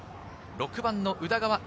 ６番の宇田川瑛